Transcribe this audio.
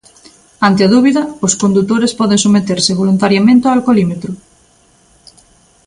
Ante a dúbida, os condutores poden someterse voluntariamente ao alcolímetro.